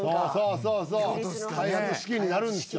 そうそう開発資金になるんですよ